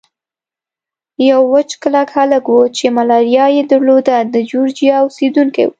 یو وچ کلک هلک وو چې ملاریا یې درلوده، د جورجیا اوسېدونکی و.